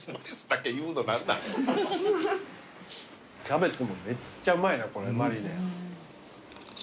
キャベツもめっちゃうまいなこれマリネ。